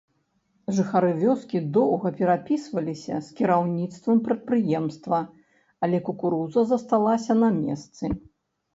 Жыхары вёскі доўга перапісваліся з кіраўніцтвам прадпрыемства, але кукуруза засталася на месцы.